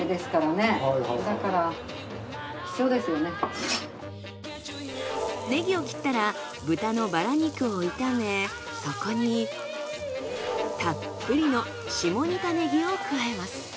ねぎを切ったら豚のバラ肉を炒めそこにたっぷりの下仁田ねぎを加えます。